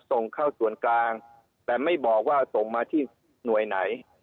ส่งเข้าส่วนกลางแต่ไม่บอกว่าส่งมาที่หน่วยไหน